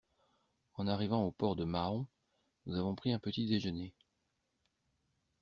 En arrivant au port de Mahon, nous avons pris un petit-déjeuner.